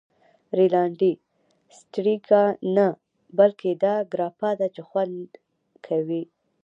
رینالډي: سټریګا نه، بلکې دا ګراپا ده چې خوند کوی.